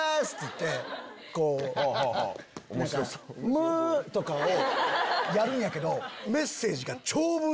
「む」とかをやるんやけど。